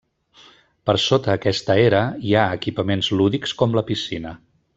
Per sota aquesta era, hi ha equipaments lúdics com la piscina.